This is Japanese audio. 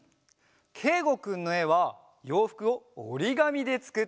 けいごくんのえはようふくをおりがみでつくっているんだよ。